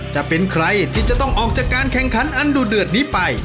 จะเป็นใครที่จะต้องออกจากการแข่งขันอันดูเดือดนี้ไป